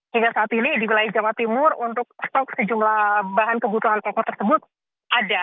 hingga saat ini di wilayah jawa timur untuk stok sejumlah bahan kebutuhan pokok tersebut ada